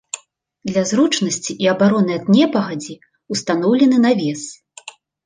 Для зручнасці і абароны ад непагадзі ўстаноўлены навес.